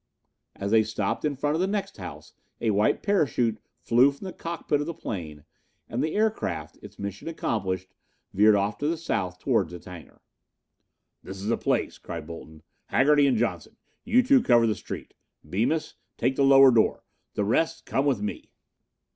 As they stopped in front of the next house a white parachute flew from the cockpit of the plane and the aircraft, its mission accomplished, veered off to the south toward its hangar. "This is the place," cried Bolton. "Haggerty and Johnson, you two cover the street. Bemis, take the lower door. The rest come with me."